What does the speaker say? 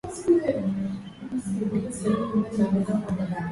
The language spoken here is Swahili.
Ninaweza kubeba begi yako